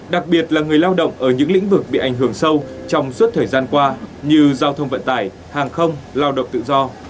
đặc biệt là người lao động ở những lĩnh vực bị ảnh hưởng sâu trong suốt thời gian qua như giao thông vận tải hàng không lao động tự do